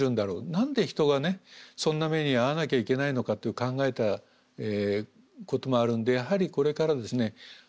何で人がねそんな目に遭わなきゃいけないのかと考えたこともあるんでやはりこれからですね